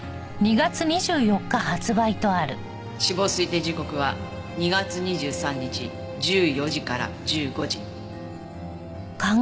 死亡推定時刻は２月２３日１４時から１５時。